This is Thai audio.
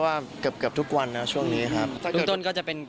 ไม่เป็นไรแน่นะ